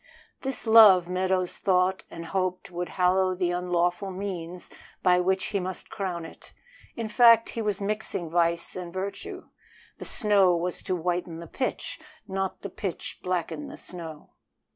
This love Meadows thought and hoped would hallow the unlawful means by which he must crown it. In fact, he was mixing vice and virtue. The snow was to whiten the pitch, not the pitch blacken the snow.